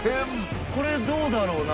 これどうだろうな？